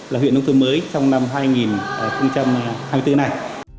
là huyện nông thôn mới trong năm hai nghìn hai mươi bốn này